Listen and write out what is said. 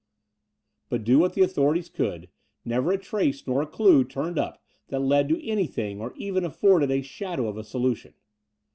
But, do what the authorities could, never a trace nor a due turned up that led to anything or even afforded a shadow of a solution.